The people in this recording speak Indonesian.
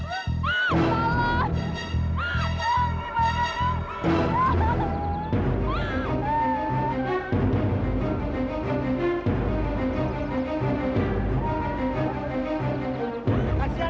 kamu mau pergi mana